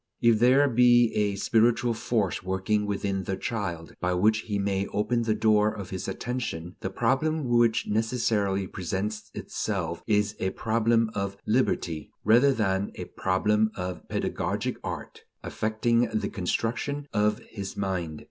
If there be a spiritual force working within the child, by which he may open the door of his attention, the problem which necessarily presents itself is a problem of liberty, rather than a problem of pedagogic art effecting the construction of his mind.